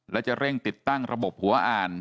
และจะเร่งติดตั้งระบบหัวอ่าน